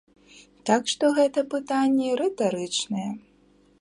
Так што гэта пытанні рытарычныя.